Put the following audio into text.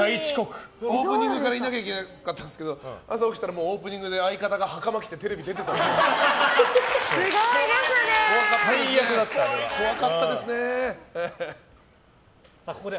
オープニングからいなきゃいけなかったんですけど朝起きたらもうオープニングで相方が袴着て最悪だった、あれは。